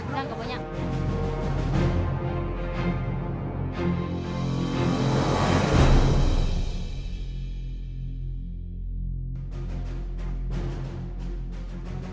ตอนต่อไป